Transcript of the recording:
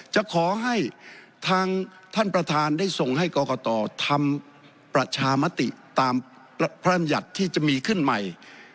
จะขอให้ทางท่านประธานได้ส่งให้กรกตทำประชามติตามพระรำยัติที่จะมีขึ้นใหม่